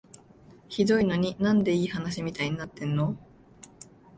ひどいのに、なんでいい話みたいになってんの？